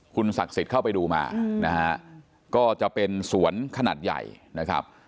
คุณศักดิ์สิทธิ์เข้าไปดูมานะฮะก็จะเป็นสวนขนาดใหญ่นะครับ